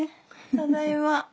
ただいま。